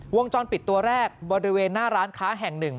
วงจรปิดตัวแรกบริเวณหน้าร้านค้าแห่งหนึ่ง